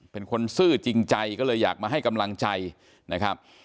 เป็นคนซื่อจริงใจก็เลยอยากมาให้กำลังใจนะครับ